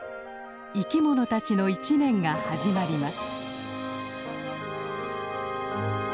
生きものたちの一年が始まります。